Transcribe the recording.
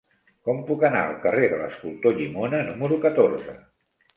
Com puc anar al carrer de l'Escultor Llimona número catorze?